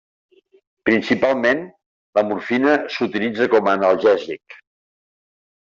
Principalment, la morfina s'utilitza com a analgèsic.